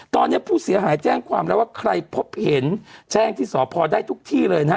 ตอนนี้ผู้เสียหายแจ้งความแล้วว่าใครพบเห็นแจ้งที่สพได้ทุกที่เลยนะฮะ